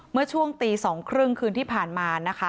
เมื่อช่วงตีสองครึ่งคืนที่ผ่านมา